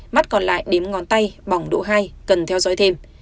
mắt còn lại đếm ngón tay bằng độ hai cần theo dõi thêm